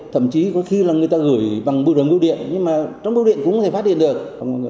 thậm chí có khi là người ta gửi bằng bưu điện nhưng mà trong bưu điện cũng có thể phát hiện